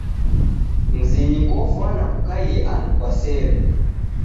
Mzinyi kofwana kukaie andu kwa sere.